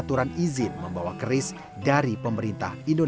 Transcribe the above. era kemerdekaan penjara belanda